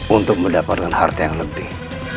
untuk mendapatkan harta yang lebih